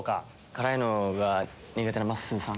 辛いのが苦手なまっすーさん。